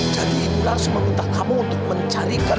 jadi aku langsung meminta kamu untuk mencarikan